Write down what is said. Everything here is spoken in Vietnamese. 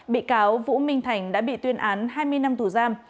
bị cáo vũ minh thành đã bị tuyên án hai mươi năm tù giam